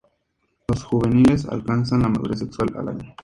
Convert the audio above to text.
Los juveniles alcanzan la madurez sexual al año.